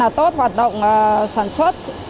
là tốt hoạt động sản xuất